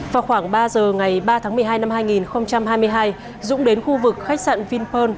vào khoảng ba giờ ngày ba tháng một mươi hai năm hai nghìn hai mươi hai dũng đến khu vực khách sạn vinpearl